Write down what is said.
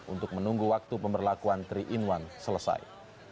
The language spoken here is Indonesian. untuk menunggu waktu pemberlakuan tiga in satu selesai